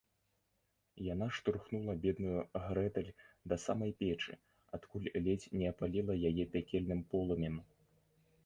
- Яна штурхнула бедную Грэтэль да самай печы, адкуль ледзь не апаліла яе пякельным полымем